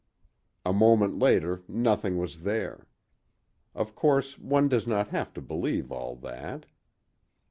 A moment later nothing was there. Of course one does not have to believe all that.